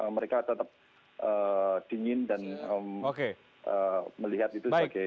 mereka tetap dingin dan melihat itu sebagai